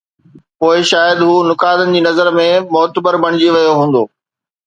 پوءِ شايد هو نقادن جي نظر ۾ معتبر بڻجي ويو هوندو.